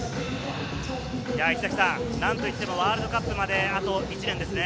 石崎さん、なんといってもワールドカップまであと１年ですね。